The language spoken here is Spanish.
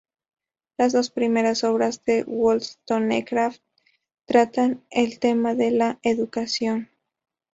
Las dos primeras obras de Wollstonecraft tratan el tema de la educación.